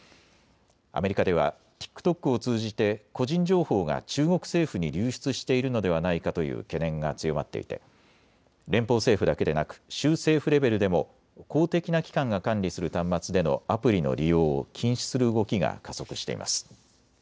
アメリカではＴｉｋＴｏｋを通じて個人情報が中国政府に流出しているのではないかという懸念が強まっていて連邦政府だけでなく州政府レベルでも公的な機関が管理する端末でのアプリの利用を禁止する動きが加速しています。